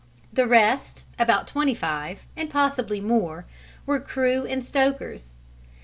The rest, about 25 (and possibly more), were crew and stokers.